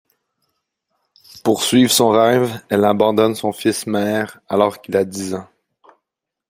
Pour suivre son rêve, elle abandonne son fils Meir alors qu'il a dix ans.